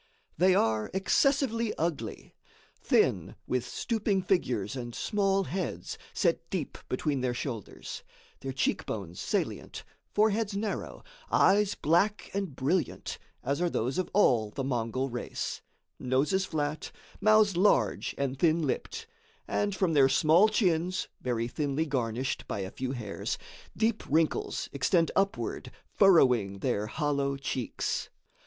They are excessively ugly; thin, with stooping figures and small heads set deep between their shoulders; their cheek bones salient, foreheads narrow, eyes black and brilliant, as are those of all the Mongol race; noses flat, mouths large and thin lipped; and from their small chins, very thinly garnished by a few hairs, deep wrinkles extend upward furrowing their hollow cheeks.